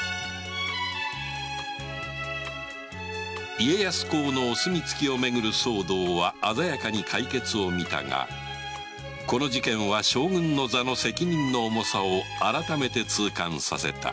家康公のお墨付きをめぐる騒動は鮮やかに解決をみたがこの事件は将軍の座の責任の重さを改めて痛感させた